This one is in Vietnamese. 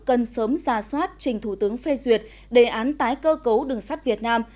cần sớm ra soát trình thủ tướng phê duyệt đề án tái cơ cấu đường sắt việt nam